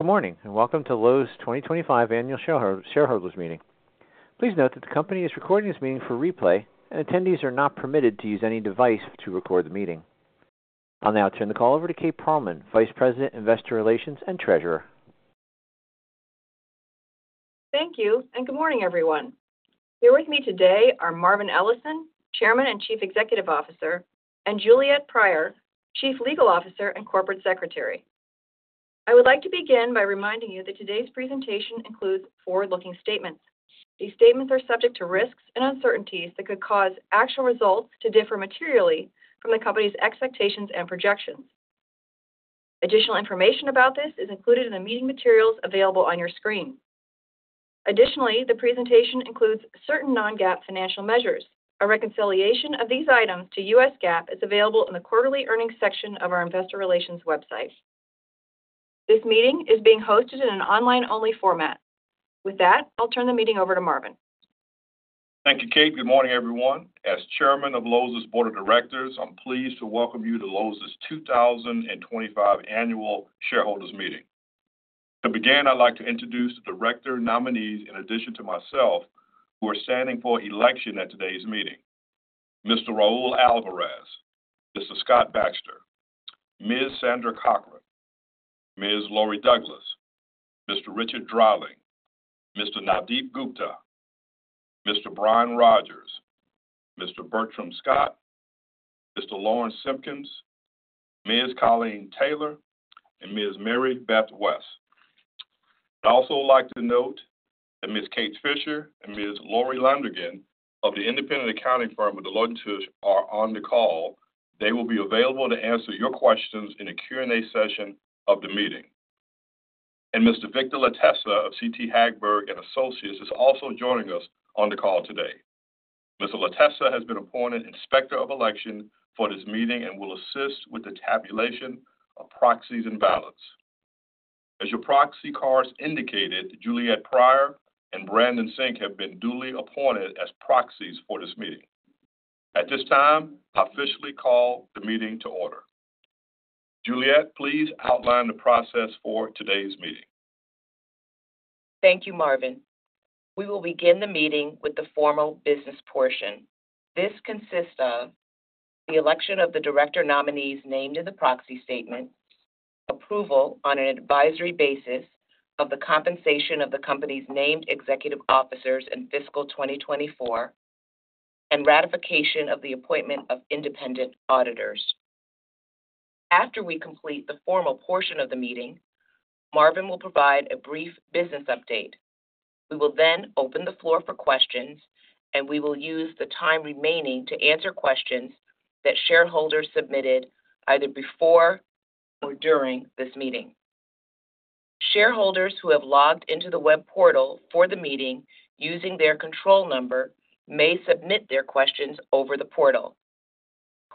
Good morning and welcome to Lowe's 2025 Annual Shareholders Meeting. Please note that the company is recording this meeting for replay, and attendees are not permitted to use any device to record the meeting. I'll now turn the call over to Kate Pearlman, Vice President, Investor Relations and Treasurer. Thank you and good morning, everyone. Here with me today are Marvin Ellison, Chairman and Chief Executive Officer, and Juliette Pryor, Chief Legal Officer and Corporate Secretary. I would like to begin by reminding you that today's presentation includes forward-looking statements. These statements are subject to risks and uncertainties that could cause actual results to differ materially from the company's expectations and projections. Additional information about this is included in the meeting materials available on your screen. Additionally, the presentation includes certain non-GAAP financial measures. A reconciliation of these items to US GAAP is available in the quarterly earnings section of our Relations. this meeting is being hosted in an online-only format. With that, I'll turn the meeting over to Marvin. Thank you, Kate. Good morning, everyone. As Chairman of Lowe's Board of Directors, I'm pleased to welcome you to Lowe's 2025 Annual Shareholders Meeting. To begin, I'd like to introduce the director nominees, in addition to myself, who are standing for election at today's meeting: Mr. Raul Alvarez, Mr. Scott Baxter, Ms. Sandra Cochran, Ms. Lori Douglas, Mr. Richard Dreiling, Mr. Nadeep Gupta, Mr. Brian Rogers, Mr. Bertram Scott, Mr. Lauren Simpkins, Ms. Colleen Taylor, and Ms. Mary Beth West. I'd also like to note that Ms. Kate Fisher and Ms. Lori Lundegan of the independent accounting firm of Deloitte & Touche are on the call. They will be available to answer your questions in the Q&A session of the meeting. Mr. Victor Lattessa of CT Hagberg and Associates is also joining us on the call today. Mr. Lattessa has been appointed Inspector of Election for this meeting and will assist with the tabulation of proxies and balance. As your proxy cards indicated, Juliette Pryor and Brandon Sink have been duly appointed as proxies for this meeting. At this time, I officially call the meeting to order. Juliette, please outline the process for today's meeting. Thank you, Marvin. We will begin the meeting with the formal business portion. This consists of the election of the director nominees named in the proxy statement, approval on an advisory basis of the compensation of the company's named executive officers in fiscal 2024, and ratification of the appointment of independent auditors. After we complete the formal portion of the meeting, Marvin will provide a brief business update. We will then open the floor for questions, and we will use the time remaining to answer questions that shareholders submitted either before or during this meeting. Shareholders who have logged into the web portal for the meeting using their control number may submit their questions over the portal.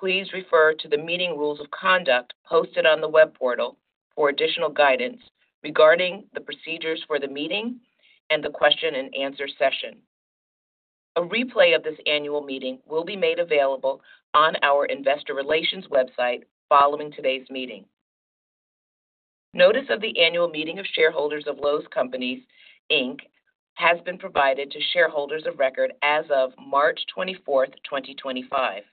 Please refer to the meeting rules of conduct posted on the web portal for additional guidance regarding the procedures for the meeting and the question-and-answer session. A replay of this annual meeting will be made available on our Investor Relations website following today's meeting. Notice of the annual meeting of shareholders of Lowe's Companies, Inc. has been provided to shareholders of record as of March 24, 2025.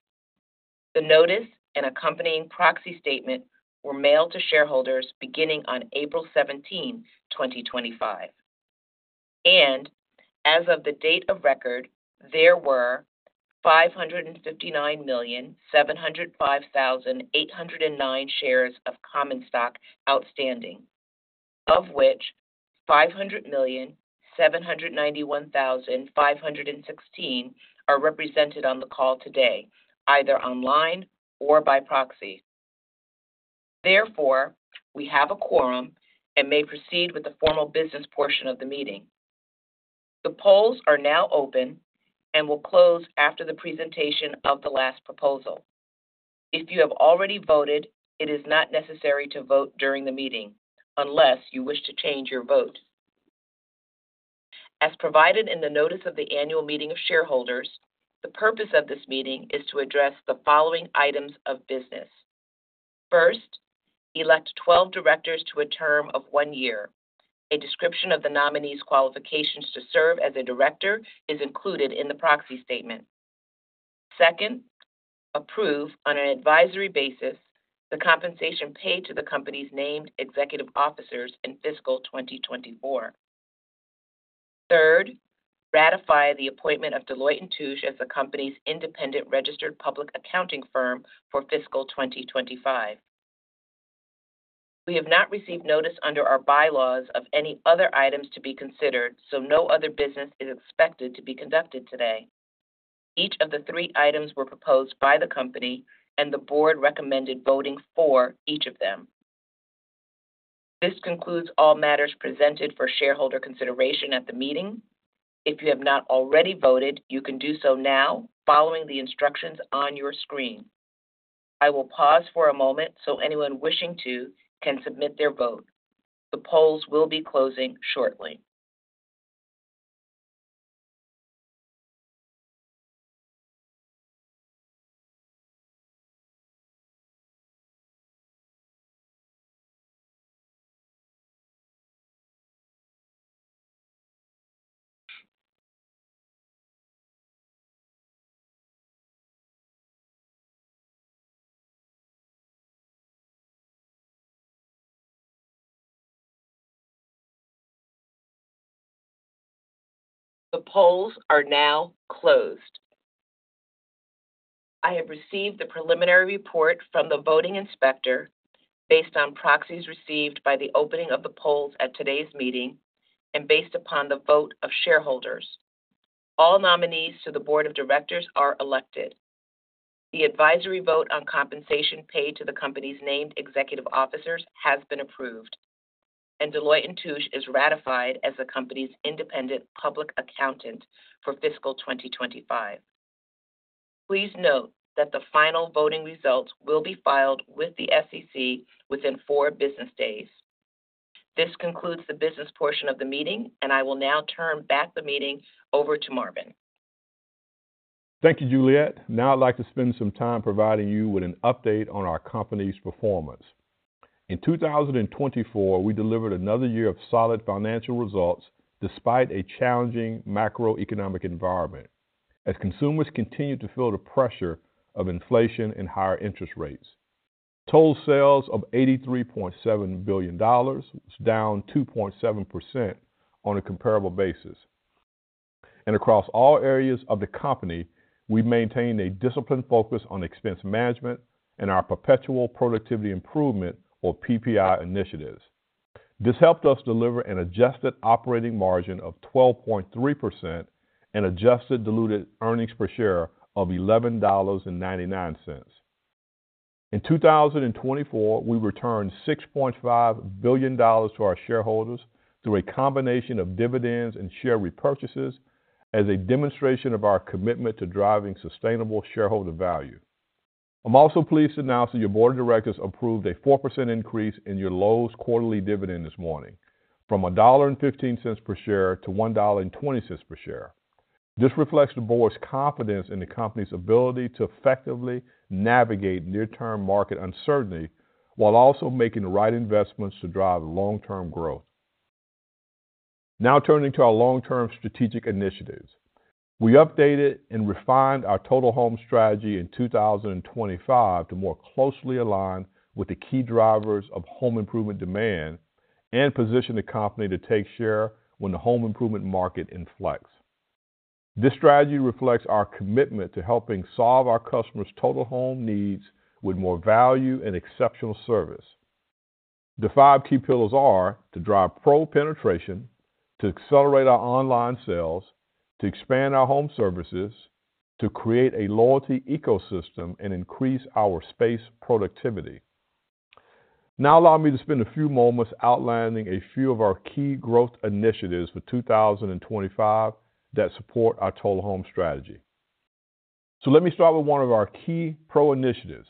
The notice and accompanying proxy statement were mailed to shareholders beginning on April 17, 2025. As of the date of record, there were 559,705,809 shares of common stock outstanding, of which 500,791,516 are represented on the call today, either online or by proxy. Therefore, we have a quorum and may proceed with the formal business portion of the meeting. The polls are now open and will close after the presentation of the last proposal. If you have already voted, it is not necessary to vote during the meeting unless you wish to change your vote. As provided in the notice of the annual meeting of shareholders, the purpose of this meeting is to address the following items of business. First, elect 12 directors to a term of one year. A description of the nominees' qualifications to serve as a director is included in the proxy statement. Second, approve on an advisory basis the compensation paid to the company's named executive officers in fiscal 2024. Third, ratify the appointment of Deloitte & Touche as the company's independent registered public accounting firm for fiscal 2025. We have not received notice under our bylaws of any other items to be considered, so no other business is expected to be conducted today. Each of the three items were proposed by the company, and the board recommended voting for each of them. This concludes all matters presented for shareholder consideration at the meeting. If you have not already voted, you can do so now following the instructions on your screen. I will pause for a moment so anyone wishing to can submit their vote. The polls will be closing shortly. The polls are now closed. I have received the preliminary report from the voting inspector based on proxies received by the opening of the polls at today's meeting and based upon the vote of shareholders. All nominees to the board of directors are elected. The advisory vote on compensation paid to the company's named executive officers has been approved, and Deloitte & Touche is ratified as the company's independent public accountant for fiscal 2025. Please note that the final voting results will be filed with the SEC within four business days. This concludes the business portion of the meeting, and I will now turn back the meeting over to Marvin. Thank you, Juliette. Now I'd like to spend some time providing you with an update on our company's performance. In 2024, we delivered another year of solid financial results despite a challenging macroeconomic environment as consumers continued to feel the pressure of inflation and higher interest rates. Total sales of $83.7 billion was down 2.7% on a comparable basis. Across all areas of the company, we maintained a disciplined focus on expense management and our perpetual productivity improvement or PPI initiatives. This helped us deliver an adjusted operating margin of 12.3% and adjusted diluted earnings per share of $11.99. In 2024, we returned $6.5 billion to our shareholders through a combination of dividends and share repurchases as a demonstration of our commitment to driving sustainable shareholder value. I'm also pleased to announce that your board of directors approved a 4% increase in your Lowe's quarterly dividend this morning from $1.15 per share to $1.20 per share. This reflects the board's confidence in the company's ability to effectively navigate near-term market uncertainty while also making the right investments to drive long-term growth. Now turning to our long-term strategic initiatives, we updated and refined our total home strategy in 2025 to more closely align with the key drivers of home improvement demand and position the company to take share when the home improvement market inflects. This strategy reflects our commitment to helping solve our customers' total home needs with more value and exceptional service. The five key pillars are to drive pro penetration, to accelerate our online sales, to expand our home services, to create a loyalty ecosystem, and increase our space productivity. Now allow me to spend a few moments outlining a few of our key growth initiatives for 2025 that support our total home strategy. Let me start with one of our key pro initiatives.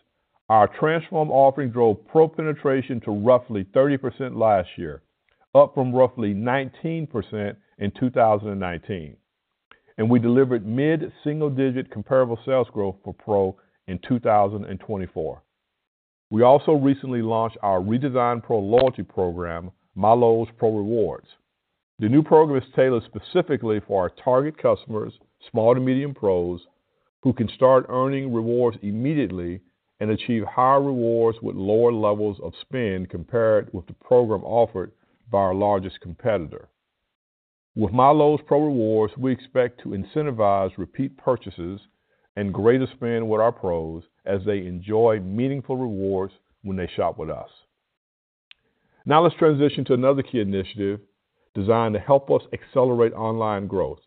Our transform offering drove pro penetration to roughly 30% last year, up from roughly 19% in 2019. We delivered mid-single-digit comparable sales growth for pro in 2024. We also recently launched our redesigned pro loyalty program, MyLowe's Pro Rewards. The new program is tailored specifically for our target customers, small to medium pros, who can start earning rewards immediately and achieve higher rewards with lower levels of spend compared with the program offered by our largest competitor. With MyLowe's Pro Rewards, we expect to incentivize repeat purchases and greater spend with our pros as they enjoy meaningful rewards when they shop with us. Now let's transition to another key initiative designed to help us accelerate online growth.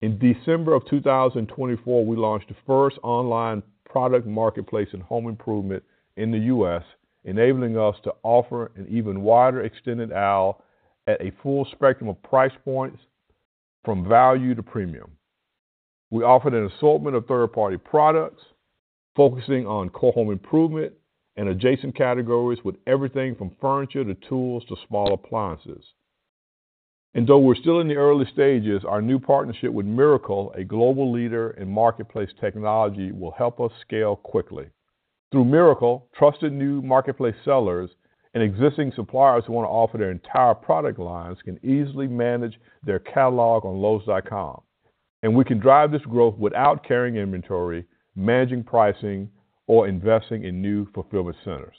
In December of 2024, we launched the first online product marketplace and home improvement in the U.S., enabling us to offer an even wider extended aisle at a full spectrum of price points from value to premium. We offered an assortment of third-party products focusing on core home improvement and adjacent categories with everything from furniture to tools to small appliances. Though we're still in the early stages, our new partnership with Mirakl, a global leader in marketplace technology, will help us scale quickly. Through Mirakl, trusted new marketplace sellers and existing suppliers who want to offer their entire product lines can easily manage their catalog on Lowes.com. We can drive this growth without carrying inventory, managing pricing, or investing in new fulfillment centers.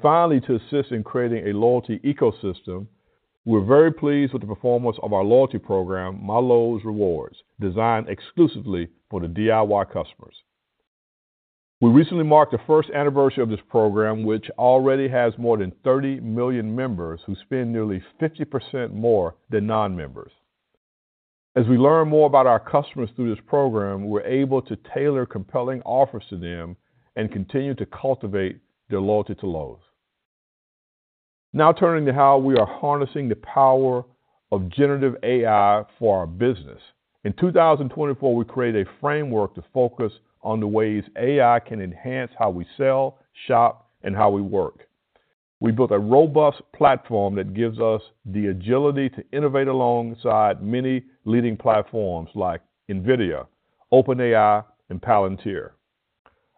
Finally, to assist in creating a loyalty ecosystem, we're very pleased with the performance of our loyalty program, MyLowe's Rewards, designed exclusively for the DIY customers. We recently marked the first anniversary of this program, which already has more than 30 million members who spend nearly 50% more than non-members. As we learn more about our customers through this program, we're able to tailor compelling offers to them and continue to cultivate their loyalty to Lowe's. Now turning to how we are harnessing the power of generative AI for our business. In 2024, we created a framework to focus on the ways AI can enhance how we sell, shop, and how we work. We built a robust platform that gives us the agility to innovate alongside many leading platforms like NVIDIA, OpenAI and Palantir.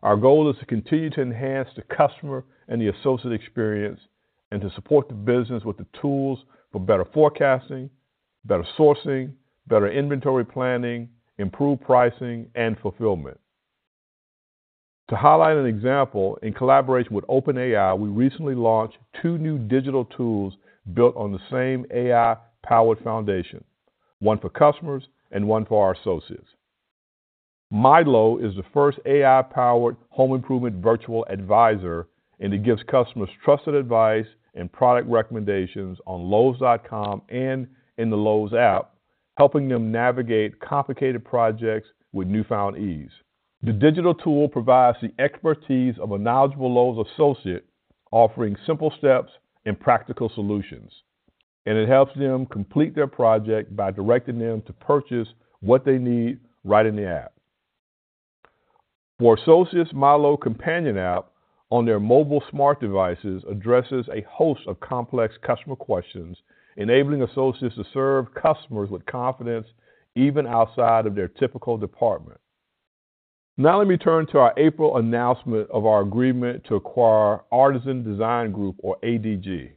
Our goal is to continue to enhance the customer and the associate experience and to support the business with the tools for better forecasting, better sourcing, better inventory planning, improved pricing, and fulfillment. To highlight an example, in collaboration with OpenAI, we recently launched two new digital tools built on the same AI-powered foundation, one for customers and one for our associates. My Lowe is the first AI-powered home improvement virtual advisor, and it gives customers trusted advice and product recommendations on Lowe's.com and in the Lowe's app, helping them navigate complicated projects with newfound ease. The digital tool provides the expertise of a knowledgeable Lowe's associate, offering simple steps and practical solutions. It helps them complete their project by directing them to purchase what they need right in the app. For associates, My Lowe Companion app on their mobile smart devices addresses a host of complex customer questions, enabling associates to serve customers with confidence even outside of their typical department. Now let me turn to our April announcement of our agreement to acquire Artisan Design Group, or ADG.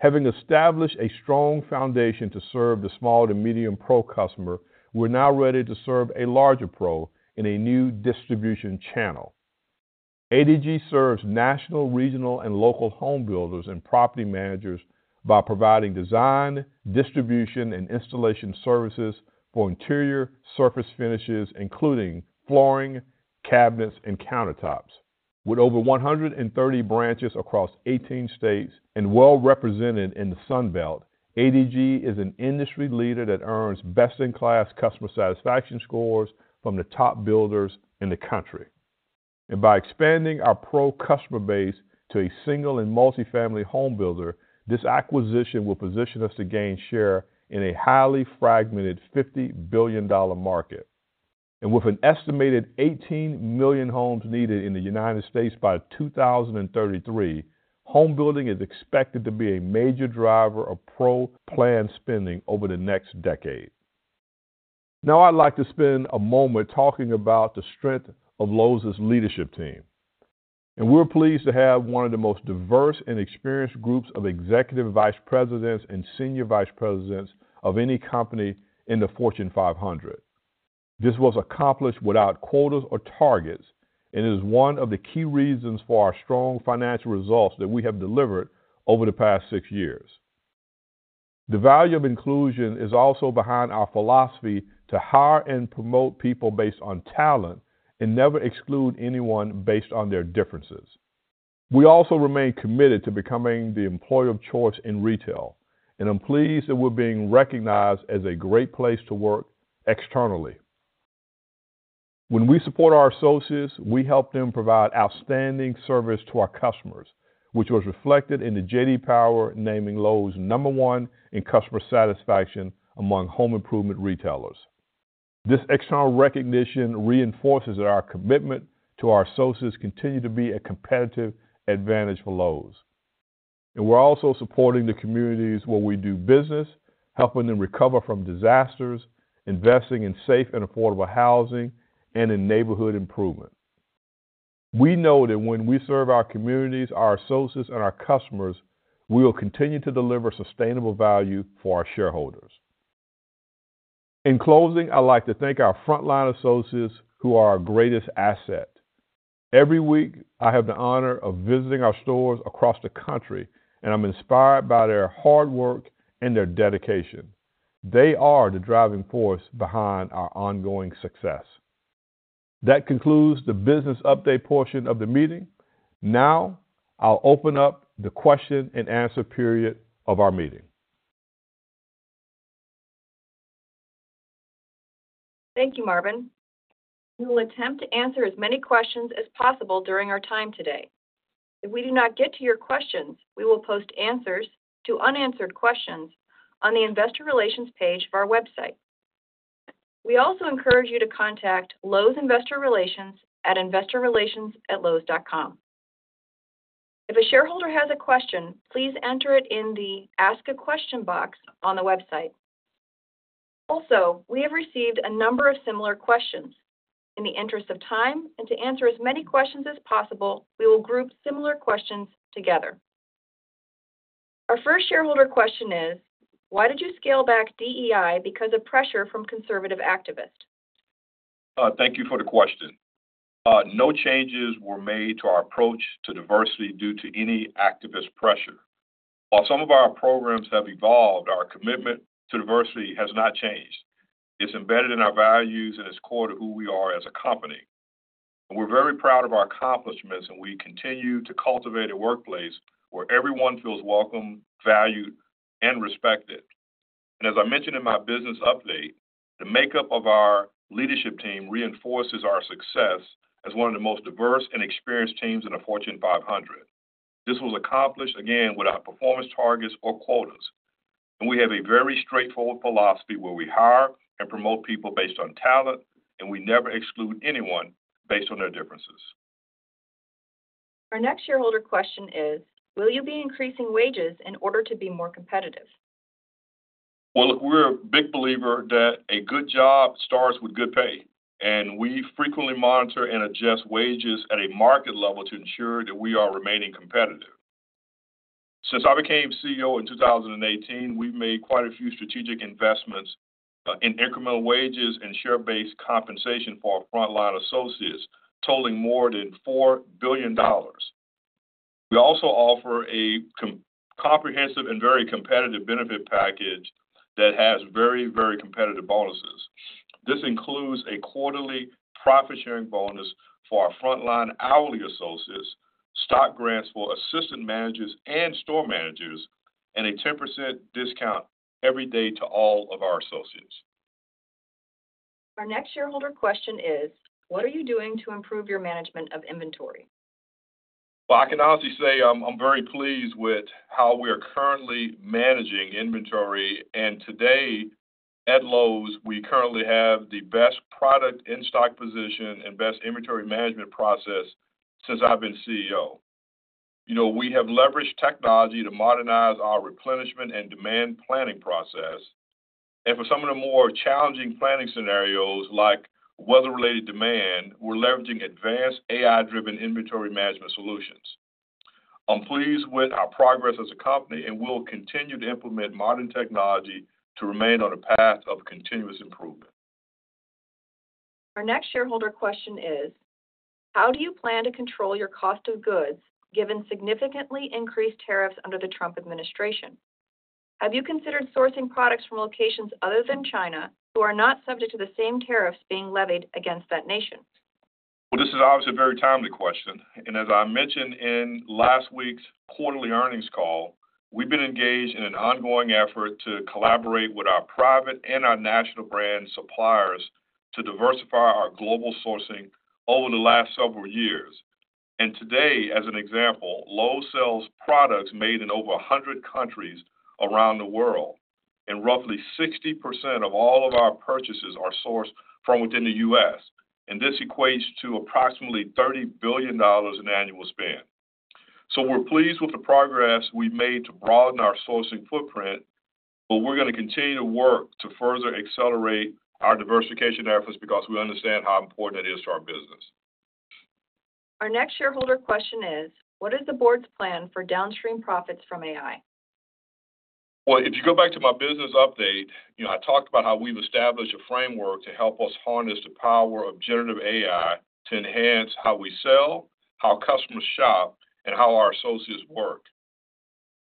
Having established a strong foundation to serve the small to medium pro customer, we're now ready to serve a larger pro in a new distribution channel. ADG serves national, regional, and local home builders and property managers by providing design, distribution, and installation services for interior surface finishes, including flooring, cabinets, and countertops. With over 130 branches across 18 states and well-represented in the Sunbelt, ADG is an industry leader that earns best-in-class customer satisfaction scores from the top builders in the country. By expanding our pro customer base to a single and multi-family home builder, this acquisition will position us to gain share in a highly fragmented $50 billion market. With an estimated 18 million homes needed in the United States by 2033, home building is expected to be a major driver of pro plan spending over the next decade. I would like to spend a moment talking about the strength of Lowe's leadership team. We are pleased to have one of the most diverse and experienced groups of Executive Vice Presidents and Senior Vice Presidents of any company in the Fortune 500. This was accomplished without quotas or targets, and it is one of the key reasons for our strong financial results that we have delivered over the past six years. The value of inclusion is also behind our philosophy to hire and promote people based on talent and never exclude anyone based on their differences. We also remain committed to becoming the employer of choice in retail, and I'm pleased that we're being recognized as a great place to work externally. When we support our associates, we help them provide outstanding service to our customers, which was reflected in the J.D. Power naming Lowe's number one in customer satisfaction among home improvement retailers. This external recognition reinforces our commitment to our associates, who continue to be a competitive advantage for Lowe's. We are also supporting the communities where we do business, helping them recover from disasters, investing in safe and affordable housing, and in neighborhood improvement. We know that when we serve our communities, our associates, and our customers, we will continue to deliver sustainable value for our shareholders. In closing, I'd like to thank our frontline associates who are our greatest asset. Every week, I have the honor of visiting our stores across the country, and I'm inspired by their hard work and their dedication. They are the driving force behind our ongoing success. That concludes the business update portion of the meeting. Now I'll open up the question and answer period of our meeting. Thank you, Marvin. We will attempt to answer as many questions as possible during our time today. If we do not get to your questions, we will post answers to unanswered questions on the investor relations page of our website. We also encourage you to contact Lowe's investor relations at investorrelations@lowes.com. If a shareholder has a question, please enter it in the ask a question box on the website. Also, we have received a number of similar questions. In the interest of time and to answer as many questions as possible, we will group similar questions together. Our first shareholder question is, why did you scale back DEI because of pressure from conservative activists? Thank you for the question. No changes were made to our approach to diversity due to any activist pressure. While some of our programs have evolved, our commitment to diversity has not changed. It is embedded in our values and is core to who we are as a company. We are very proud of our accomplishments, and we continue to cultivate a workplace where everyone feels welcome, valued, and respected. As I mentioned in my business update, the makeup of our leadership team reinforces our success as one of the most diverse and experienced teams in the Fortune 500. This was accomplished again without performance targets or quotas. We have a very straightforward philosophy where we hire and promote people based on talent, and we never exclude anyone based on their differences. Our next shareholder question is, will you be increasing wages in order to be more competitive? We're a big believer that a good job starts with good pay. We frequently monitor and adjust wages at a market level to ensure that we are remaining competitive. Since I became CEO in 2018, we've made quite a few strategic investments in incremental wages and share-based compensation for our frontline associates, totaling more than $4 billion. We also offer a comprehensive and very competitive benefit package that has very, very competitive bonuses. This includes a quarterly profit-sharing bonus for our frontline hourly associates, stock grants for assistant managers and store managers, and a 10% discount every day to all of our associates. Our next shareholder question is, what are you doing to improve your management of inventory? I can honestly say I'm very pleased with how we are currently managing inventory. Today, at Lowe's, we currently have the best product in stock position and best inventory management process since I've been CEO. We have leveraged technology to modernize our replenishment and demand planning process. For some of the more challenging planning scenarios, like weather-related demand, we're leveraging advanced AI-driven inventory management solutions. I'm pleased with our progress as a company, and we'll continue to implement modern technology to remain on a path of continuous improvement. Our next shareholder question is, how do you plan to control your cost of goods given significantly increased tariffs under the Trump administration? Have you considered sourcing products from locations other than China who are not subject to the same tariffs being levied against that nation? This is obviously a very timely question. As I mentioned in last week's quarterly earnings call, we've been engaged in an ongoing effort to collaborate with our private and our national brand suppliers to diversify our global sourcing over the last several years. Today, as an example, Lowe's sells products made in over 100 countries around the world. Roughly 60% of all of our purchases are sourced from within the U.S. This equates to approximately $30 billion in annual spend. We're pleased with the progress we've made to broaden our sourcing footprint, but we're going to continue to work to further accelerate our diversification efforts because we understand how important it is to our business. Our next shareholder question is, what is the board's plan for downstream profits from AI? If you go back to my business update, I talked about how we've established a framework to help us harness the power of generative AI to enhance how we sell, how customers shop, and how our associates work.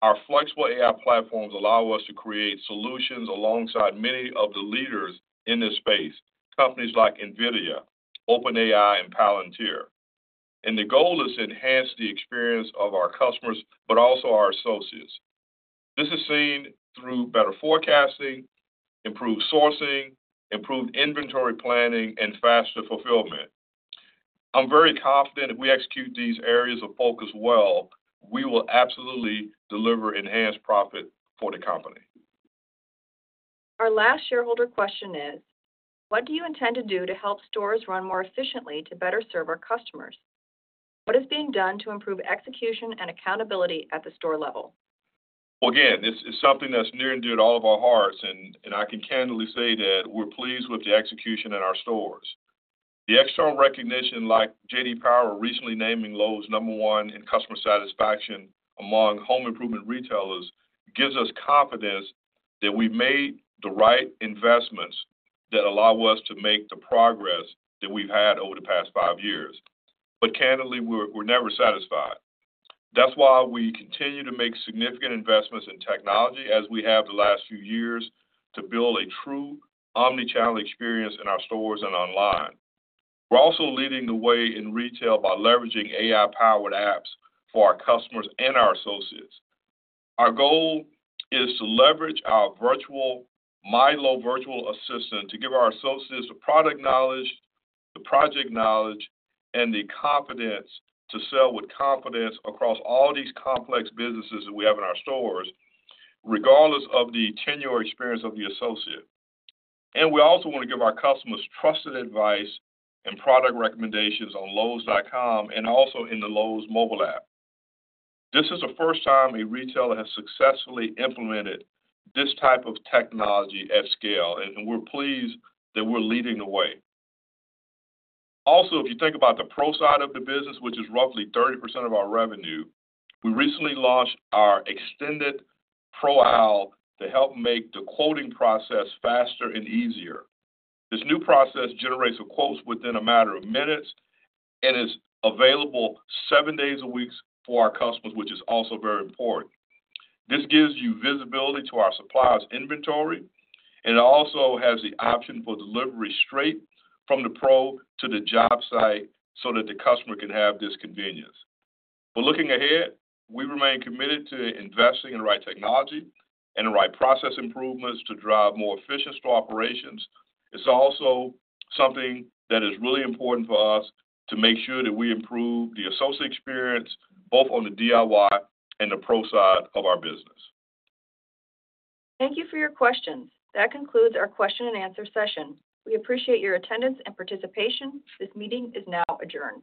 Our flexible AI platforms allow us to create solutions alongside many of the leaders in this space, companies like NVIDIA, OpenAI and Palantir. The goal is to enhance the experience of our customers, but also our associates. This is seen through better forecasting, improved sourcing, improved inventory planning, and faster fulfillment. I'm very confident if we execute these areas of focus well, we will absolutely deliver enhanced profit for the company. Our last shareholder question is, what do you intend to do to help stores run more efficiently to better serve our customers? What is being done to improve execution and accountability at the store level? This is something that's near and dear to all of our hearts, and I can candidly say that we're pleased with the execution at our stores. The external recognition, like J.D. Power recently naming Lowe's number one in customer satisfaction among home improvement retailers, gives us confidence that we've made the right investments that allow us to make the progress that we've had over the past five years. Candidly, we're never satisfied. That's why we continue to make significant investments in technology as we have the last few years to build a true omnichannel experience in our stores and online. We're also leading the way in retail by leveraging AI-powered apps for our customers and our associates. Our goal is to leverage our My Lowe Virtual Assistant to give our associates the product knowledge, the project knowledge, and the confidence to sell with confidence across all these complex businesses that we have in our stores, regardless of the tenure experience of the associate. We also want to give our customers trusted advice and product recommendations on Lowe's.com and also in the Lowe's mobile app. This is the first time a retailer has successfully implemented this type of technology at scale, and we're pleased that we're leading the way. Also, if you think about the pro side of the business, which is roughly 30% of our revenue, we recently launched our extended pro aisle to help make the quoting process faster and easier. This new process generates quotes within a matter of minutes and is available seven days a week for our customers, which is also very important. This gives you visibility to our suppliers' inventory, and it also has the option for delivery straight from the pro to the job site so that the customer can have this convenience. Looking ahead, we remain committed to investing in the right technology and the right process improvements to drive more efficient store operations. It's also something that is really important for us to make sure that we improve the associate experience, both on the DIY and the pro side of our business. Thank you for your questions. That concludes our question and answer session. We appreciate your attendance and participation. This meeting is now adjourned.